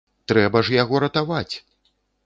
Трэба ж яго ратаваць!